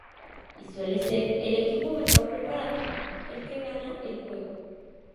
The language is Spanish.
Y suele ser el equipo mejor preparado el que gana el juego.